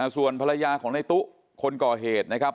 ส่วนภรรยาของในตู้คนก่อเหตุนะครับ